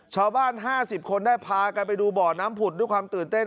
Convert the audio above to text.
๕๐คนได้พากันไปดูบ่อน้ำผุดด้วยความตื่นเต้น